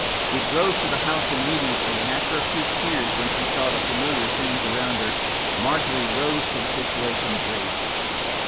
We drove to the house immediately, and after a few tears when she saw the familiar things around her, Margery rose to the situation bravely.